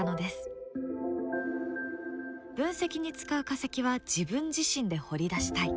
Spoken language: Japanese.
分析に使う化石は自分自身で掘り出したい。